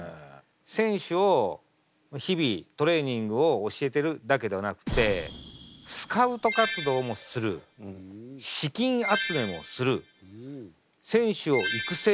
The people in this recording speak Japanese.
選手を日々トレーニングを教えてるだけではなくてスカウト活動もする資金集めもする選手を育成もする。